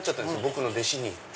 僕の弟子に。